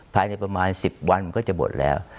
ภายในประมาณ๑๐วันมันก็จะหมดแล้ว